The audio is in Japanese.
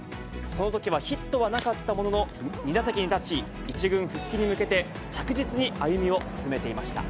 そのときはヒットはなかったものの、２打席に立ち、１軍復帰に向けて着実に歩みを進めていました。